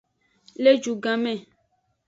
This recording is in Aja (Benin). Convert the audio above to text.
Le ju gan me.